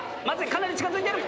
かなり近づいてる。